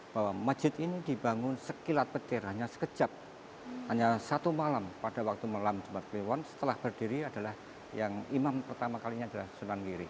bahwa masjid ini dibangun sekilat petir hanya sekejap hanya satu malam pada waktu malam jumat wewon setelah berdiri adalah yang imam pertama kalinya adalah sunan wiri